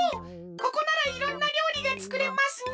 ここならいろんなりょうりがつくれますね。